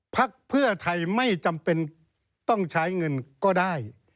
พักเพื่อไทยไม่จำเป็นต้องใช้เงินก็ได้